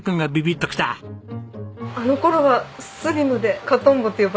あの頃はスリムで。